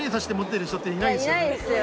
いないですよね。